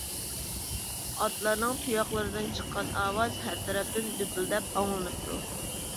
ئاتلارنىڭ تۇياقلىرىدىن چىققان ئاۋاز ھەر تەرەپتىن دۈپۈلدەپ ئاڭلىنىپتۇ.